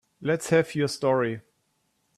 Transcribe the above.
Let's have your story.